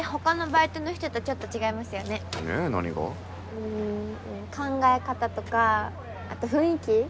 うん考え方とかあと雰囲気。